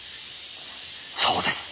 そうです。